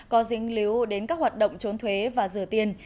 có dính líu đến các hoạt động trốn thuế và rửa tiền